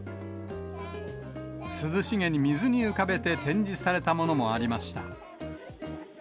涼しげに水に浮かべて展示されたものもありました。